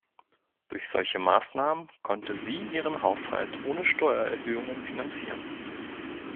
Durch solche Maßnahmen konnte sie ihren Haushalt ohne Steuererhöhungen finanzieren.